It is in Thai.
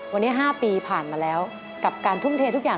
วันนี้๕ปีผ่านมาแล้วกับการทุ่มเททุกอย่าง